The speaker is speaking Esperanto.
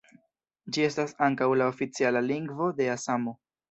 Ĝi estas ankaŭ la oficiala lingvo de Asamo.